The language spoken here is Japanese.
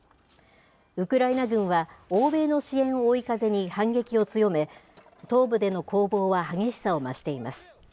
ウクライナ軍は、欧米の支援を追い風に反撃を強め、東部での攻防は激しさを増しています。